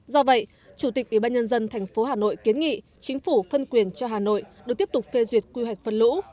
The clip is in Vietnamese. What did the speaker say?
do vậy chủ tịch ủy ban nhân dân thành phố hà nội kiến nghị chính phủ phân quyền cho hà nội được tiếp tục phê duyệt quy hoạch phân lũ